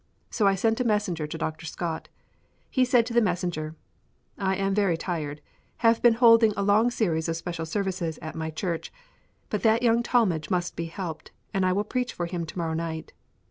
So I sent a messenger to Dr. Scott. He said to the messenger, "I am very tired; have been holding a long series of special services in my church, but that young Talmage must be helped, and I will preach for him to morrow night."